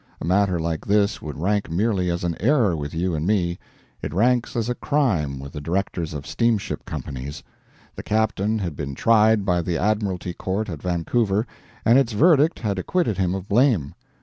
A matter like this would rank merely as an error with you and me; it ranks as a crime with the directors of steamship companies. The captain had been tried by the Admiralty Court at Vancouver, and its verdict had acquitted him of blame.